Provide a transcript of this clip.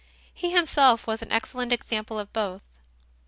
He himself was an ex cellent example of both.